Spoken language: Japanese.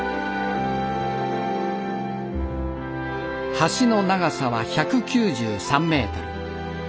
橋の長さは１９３メートル。